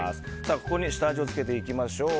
ここに下味をつけていきましょう。